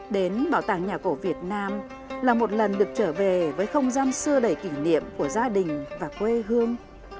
đến bảo tàng nhà cổ việt nam là một lần được trở về với không gian xưa đầy kỷ niệm của gia đình và quê hương